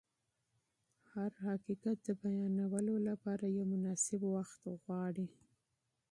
هر حقیقت د بیانولو لپاره یو مناسب وخت غواړي.